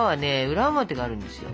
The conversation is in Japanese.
裏表があるんですよ。